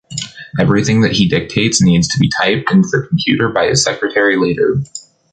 Everything that he dictates needs to be typed in the computer by his secretary later.